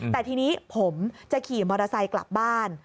แต่ทีนี้ผมจะขี่มอเตอร์ไซค์กลับบ้าน